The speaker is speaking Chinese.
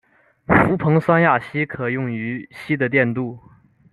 氟硼酸亚锡可以用于锡的电镀。